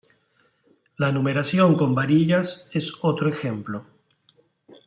La numeración con varillas es otro ejemplo.